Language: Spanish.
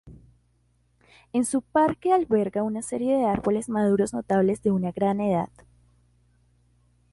En su parque alberga una serie de árboles maduros notables de una gran edad.